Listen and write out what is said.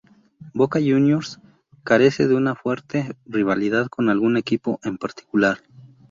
Boca Juniors carece de una fuerte rivalidad con algún equipo en particular.